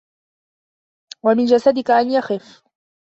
وَمِنْ جَسَدِك أَنْ يَخِفَّ